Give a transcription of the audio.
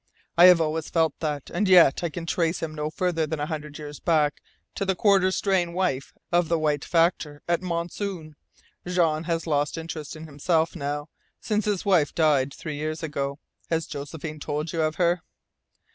I have always felt that, and yet I can trace him no farther than a hundred years back, to the quarter strain wife of the white factor at Monsoon. Jean has lost interest in himself now since his wife died three years ago. Has Josephine told you of her?"